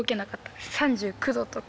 ３９度とか。